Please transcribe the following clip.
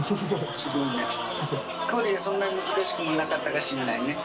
すごいねこれそんなに難しくもなかったかもしれないね